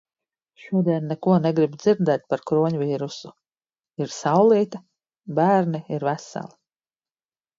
Šodien neko negribu dzirdēt par kroņvīrusu! Ir saulīte. Bērni ir veseli.